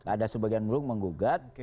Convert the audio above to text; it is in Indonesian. ada sebagian mulut menggugat